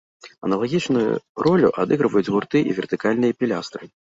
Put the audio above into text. Аналагічную ролі адыгрываюць гурты і вертыкальныя пілястры.